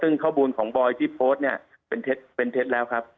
ซึ่งข้อมูลของบอยที่โพสต์เนี่ยเป็นเท็จเป็นเท็จแล้วครับ